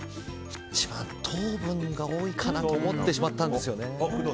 一番糖分が多いかなと思ってしまったんですよね。